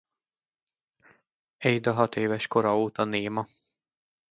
Ada hatéves kora óta néma.